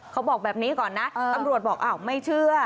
เขาบอกแบบนี้ก่อนนะตำรวจบอกอ้าวไม่เชื่อ